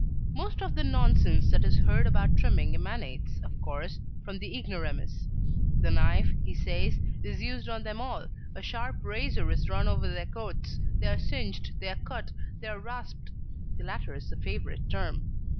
Most of the nonsense that is heard about trimming emanates, of course, from the ignoramus; the knife, he says, is used on them all, a sharp razor is run over their coats, they are singed, they are cut, they are rasped (the latter is the favourite term).